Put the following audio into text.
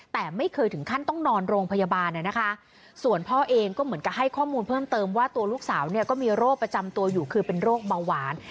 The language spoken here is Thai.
แต่ไม่เคยถึงขั้นต้องนอนโรงพยาบาลนะคะส่วนพ่อเองก็เหมือนกับให้ข้อมูลเพิ่มเติมว่าตัวลูกสาวเนี่ยก็มีโรคประจำตัวอยู่คือเป็นโรคเบาหวาน